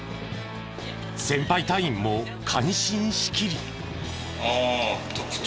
先輩隊員も感心しきり。